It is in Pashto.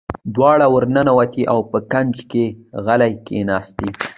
دواړې ور ننوتې او په کونج کې غلې کېناستې.